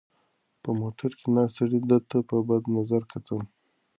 په موټر کې ناست سړي ده ته په بد نظر کتل.